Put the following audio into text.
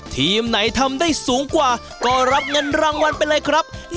ทีมไหนทำได้สูงกว่าก็รับเงินรางวัลไปเลยครับ